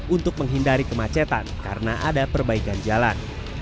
untuk menghindari kemacetan karena ada perbaikan jalan